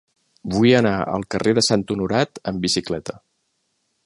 Vull anar al carrer de Sant Honorat amb bicicleta.